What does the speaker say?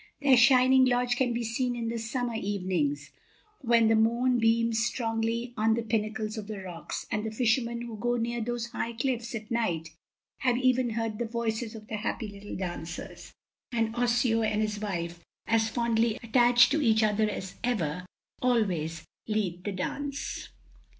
Their shining lodge can be seen in the summer evenings, when the moon beams strongly on the pinnacles of the rocks; and the fishermen who go near those high cliffs at night have even heard the voices of the happy little dancers. And Osseo and his wife, as fondly attached to each other as ever, always lead the dance.